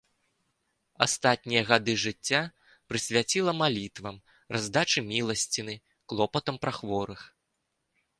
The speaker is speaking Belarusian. Астатнія гады жыцця прысвяціла малітвам, раздачы міласціны, клопатам пра хворых.